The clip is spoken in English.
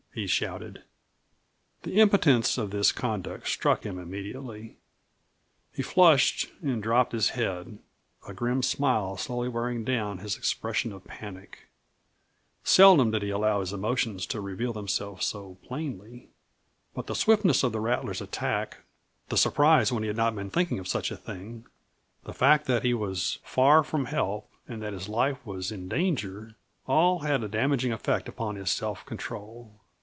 he shouted. The impotence of this conduct struck him immediately. He flushed and drooped his head, a grim smile slowly wearing down his expression of panic. Seldom did he allow his emotions to reveal themselves so plainly. But the swiftness of the rattler's attack, the surprise when he had not been thinking of such a thing, the fact that he was far from help and that his life was in danger all had a damaging effect upon his self control.